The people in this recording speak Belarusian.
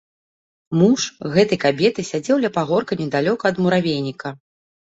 Муж гэтай кабеты сядзеў ля пагорка недалёка ад муравейніка.